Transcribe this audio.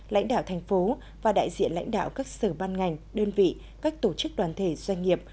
lãnh đạo thành phố và đại diện lãnh đạo các sở ban ngành đơn vị các tổ chức đoàn thể doanh nghiệp